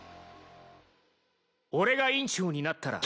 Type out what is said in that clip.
俺が委員長になったら。